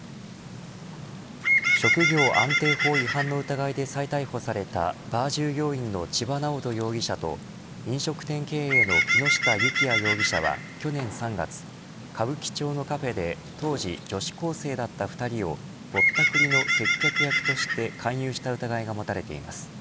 職業安定法違反の疑いで再逮捕されたバー従業員の千葉南音容疑者と飲食店経営の木下幸也容疑者は去年３月歌舞伎町のカフェで当時女子高生だった２人をぼったくりの接客役として勧誘した疑いが持たれています。